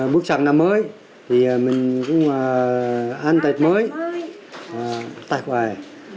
bước sang năm mới thì mình cũng ăn tết mới tạm về